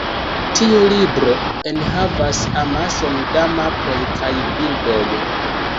Tiu libro enhavas amason da mapoj kaj bildoj.